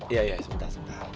iya iya sebentar